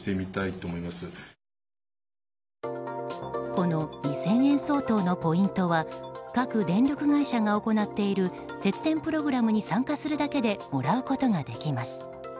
この２０００円相当のポイントは各電力会社が行っている節電プログラムに参加するだけでもらうことができます。